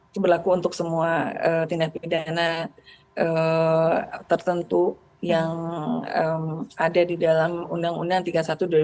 ini berlaku untuk semua tindak pidana tertentu yang ada di dalam undang undang tiga puluh satu dua ribu dua